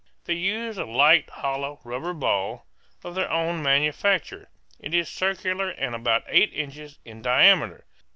They use a light hollow rubber ball, of their own manufacture. It is circular and about eight inches in diameter.